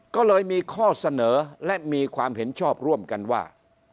ก็เลยมีข้อเสนอและมีความเห็นชอบร่วมกันว่า